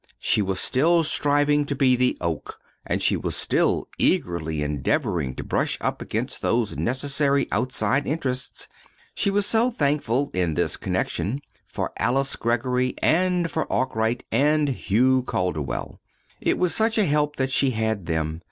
She was still striving to be the oak, and she was still eagerly endeavoring to brush up against those necessary outside interests. She was so thankful, in this connection, for Alice Greggory, and for Arkwright and Hugh Calderwell. It was such a help that she had them!